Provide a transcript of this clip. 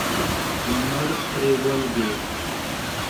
لمر پرې ولګېد.